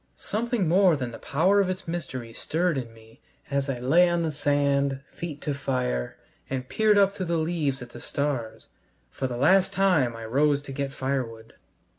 Something more than the power of its mystery stirred in me as I lay on the sand, feet to fire, and peered up through the leaves at the stars. For the last time I rose to get firewood.